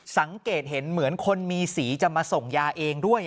สังเกตเห็นเหมือนคนมีสีจะมาส่งยาเองด้วย